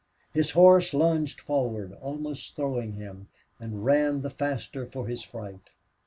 His horse lunged forward, almost throwing him, and ran the faster for his fright.